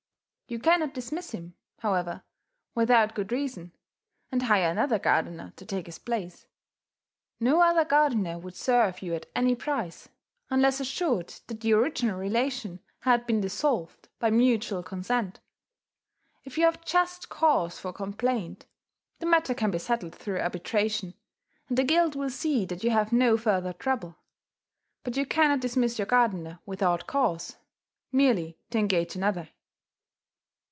You cannot dismiss him, however, without good reason, and hire another gardener to take his place. No other gardener would serve you at any price, unless assured that the original relation had been dissolved by mutual consent. If you have just cause for complaint, the matter can be settled through arbitration; and the guild will see that you have no further trouble. But you cannot dismiss your gardener without cause, merely to engage another.